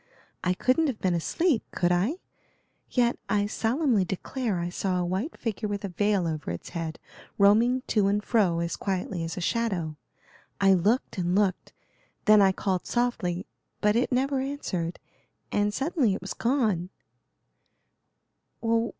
I couldn't have been asleep, could I? yet, I solemnly declare I saw a white figure with a veil over its head roaming to and fro as quietly as a shadow. I looked and looked, then I called softly, but it never answered, and suddenly it was gone."